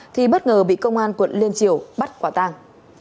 thì bất ngờ bị công an quận liên triều bắt quả tàng